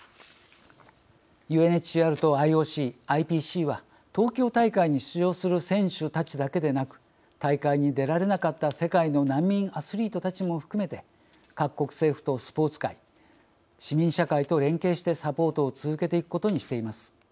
ＵＮＨＣＲとＩＯＣ、ＩＰＣは東京大会に出場する選手たちだけでなく大会に出られなかった、世界の難民アスリートたちも含めて各国政府とスポーツ界市民社会と連携して、サポートを続けていくことにしています。